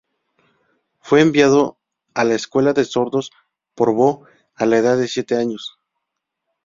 Fue enviado a la Escuela de Sordos Porvoo a la edad de siete años.